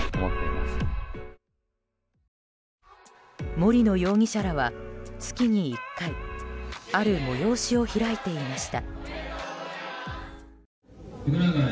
森野容疑者らは月に１回ある催しを開いていました。